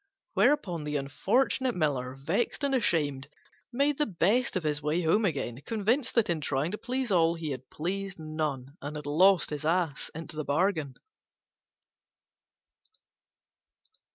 Whereupon the unfortunate Miller, vexed and ashamed, made the best of his way home again, convinced that in trying to please all he had pleased none, and had lost his Ass into the bargain.